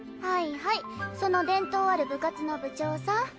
はいはいその伝統ある部活の部長さん